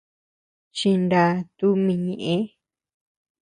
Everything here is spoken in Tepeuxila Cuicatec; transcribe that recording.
Chiná tumi ñeʼe.